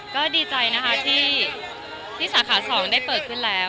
ก็ดีใจนะคะที่สาขา๒ได้เปิดขึ้นแล้ว